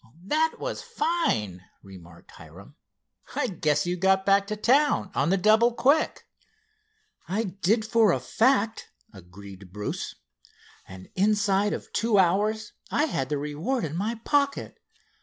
"That was fine," remarked Hiram. "I guess you got back to town on the double quick." "I did for a fact," agreed Bruce. "And inside of two hours I had the reward in my pocket.